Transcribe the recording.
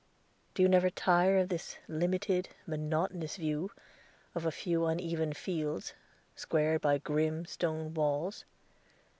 "Do you never tire of this limited, monotonous view of a few uneven fields, squared by grim stone walls?"